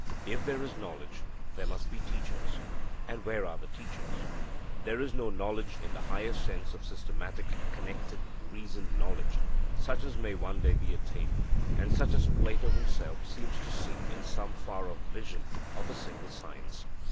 'If there is knowledge, there must be teachers; and where are the teachers?' There is no knowledge in the higher sense of systematic, connected, reasoned knowledge, such as may one day be attained, and such as Plato himself seems to see in some far off vision of a single science.